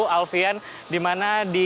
alfian di mana di